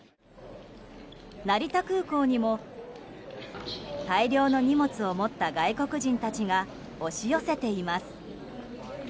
成田空港にも大量の荷物を持った外国人たちが押し寄せています。